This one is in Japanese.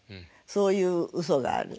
そういううそがある。